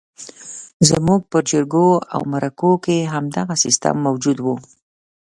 زموږ پر جرګو او مرکو کې همدغه سیستم موجود وو.